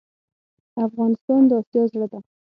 افغانستان د آسیا زړه ده.